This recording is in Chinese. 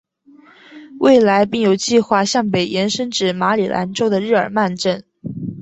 未来并有计画向北延伸至马里兰州的日耳曼镇。